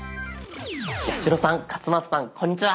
八代さん勝俣さんこんにちは。